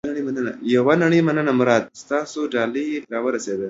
یوه نړۍ مننه مراد. ستاسو ډالۍ را ورسېده.